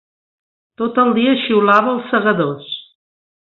Tot el dia xiulava "Els Segadors".